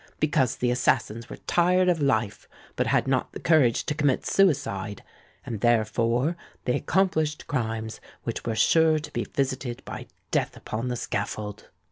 Because the assassins were tired of life, but had not the courage to commit suicide; and therefore they accomplished crimes which were sure to be visited by death upon the scaffold!